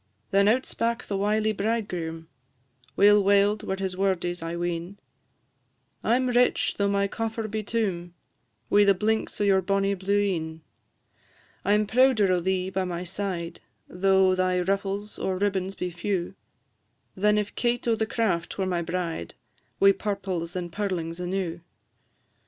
Then out spak the wily bridegroom, Weel waled were his wordies, I ween, "I 'm rich, though my coffer be toom, Wi' the blinks o' your bonnie blue een; I 'm prouder o' thee by my side, Though thy ruffles or ribbons be few, Than if Kate o' the Craft were my bride, Wi' purples and pearlings enew.